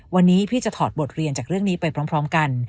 วันนี้พี่จะถอดบทเรียนจากเรื่องนี้ไปพร้อมกัน